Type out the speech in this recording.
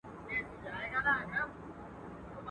o يا خپل کور، يا خپل گور.